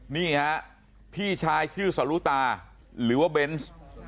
นี่ฮะพี่ชายชื่อสรุตาหรือว่าเบนส์